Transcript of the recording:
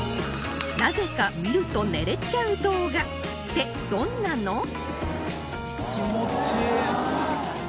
なぜか見ると寝れちゃう動画ってどんなの？